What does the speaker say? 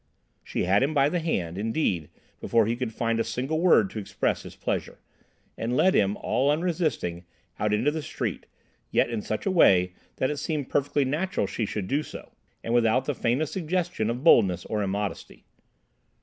She had him by the hand, indeed, before he could find a single word to express his pleasure, and led him, all unresisting, out into the street, yet in such a way that it seemed perfectly natural she should do so, and without the faintest suggestion of boldness or immodesty.